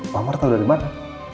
pak ammar tau dari mana